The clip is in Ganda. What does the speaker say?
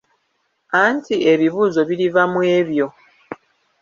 Anti ebibuzo biriva mu ebyo.